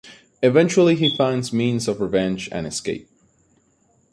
Eventually he finds means of revenge and escape.